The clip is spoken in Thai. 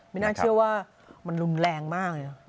ไม่น่าเชื่อว่ามันรุนแรงมากเลย